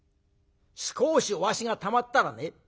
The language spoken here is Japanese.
少しおあしがたまったらね